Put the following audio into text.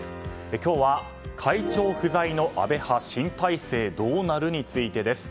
今日は会長不在の安倍派新体制どうなるについてです。